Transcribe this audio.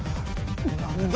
何だ？